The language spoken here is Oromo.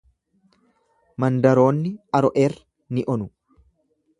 Mandaroonni Aro'er ni onu.